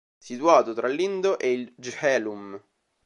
Situato tra l'Indo e il Jhelum.